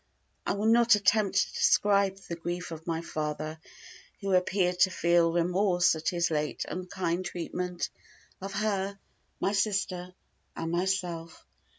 I will not attempt to describe the grief of my father, who appeared to feel remorse at his late unkind treatment of her, my sister, and myself.